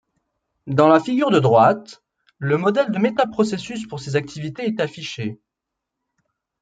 Dans la figure de droite, le modèle de métaprocessus pour ces activités est affiché.